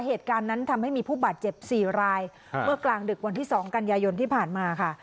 เหตุการณ์นั้นทำให้มีผู้บาดเจ็บสี่รายเมื่อกลางดึกวันที่สองกันยายนที่ผ่านมาค่ะ